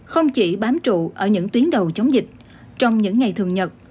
không chỉ bám trụ ở những tuyến đầu chống dịch trong những ngày thường nhật